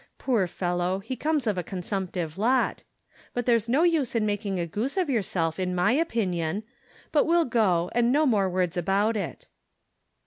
Poor fellow, he comes of a consumptive lot. But there's no use in making a goose of yourself, iii my opinion. But we'll go, and no more words about it